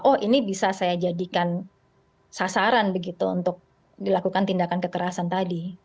oh ini bisa saya jadikan sasaran begitu untuk dilakukan tindakan kekerasan tadi